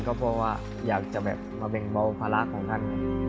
ก็เพราะว่าอยากจะแบบมาแบ่งเบาภาระของท่าน